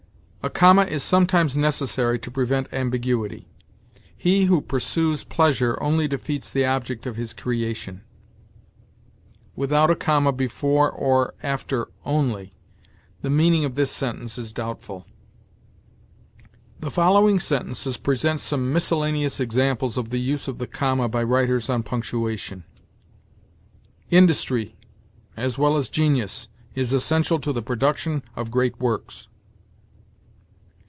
A comma is sometimes necessary to prevent ambiguity. "He who pursues pleasure only defeats the object of his creation." Without a comma before or after only, the meaning of this sentence is doubtful. The following sentences present some miscellaneous examples of the use of the comma by writers on punctuation: "Industry, as well as genius, is essential to the production of great works."